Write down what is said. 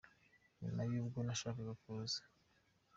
Nyuma ubwo nashakaga kuza